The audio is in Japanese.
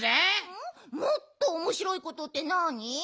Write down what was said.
もっとおもしろいことってなに？